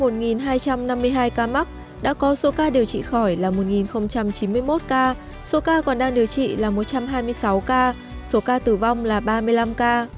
trong một hai trăm năm mươi hai ca mắc đã có số ca điều trị khỏi là một chín mươi một ca số ca còn đang điều trị là một trăm hai mươi sáu ca số ca tử vong là ba mươi năm ca